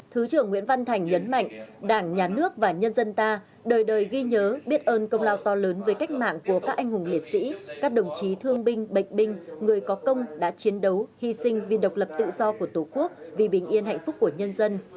thứ trưởng nguyễn văn thành nhấn mạnh đảng nhà nước và nhân dân ta đời đời ghi nhớ biết ơn công lao to lớn về cách mạng của các anh hùng liệt sĩ các đồng chí thương binh bệnh binh người có công đã chiến đấu hy sinh vì độc lập tự do của tổ quốc vì bình yên hạnh phúc của nhân dân